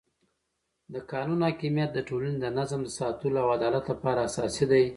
د قانون حاکمیت د ټولنې د نظم د ساتلو او عدالت لپاره اساسي دی